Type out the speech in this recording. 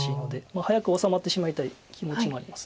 早く治まってしまいたい気持ちもあります。